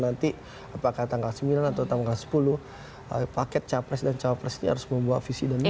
nanti apakah tanggal sembilan atau tanggal sepuluh paket capres dan cawapres ini harus membawa visi dan misi